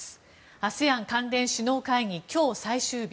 ＡＳＥＡＮ関連首脳会議今日、最終日。